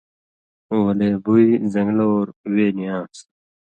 ولے بُوئ زن٘گلہ اور وے نی آن٘س۔